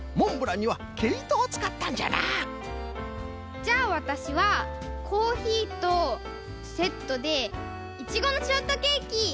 じゃあわたしはコーヒーとセットでイチゴのショートケーキ！